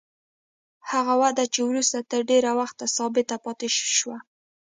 هغه وده چې وروسته تر ډېره وخته ثابته پاتې شوه.